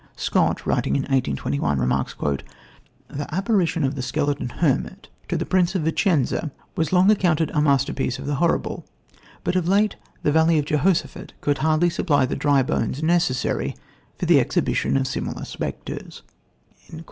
Scott, writing in 1821, remarks: "The apparition of the skeleton hermit to the prince of Vicenza was long accounted a masterpiece of the horrible; but of late the valley of Jehosaphat could hardly supply the dry bones necessary for the exhibition of similar spectres."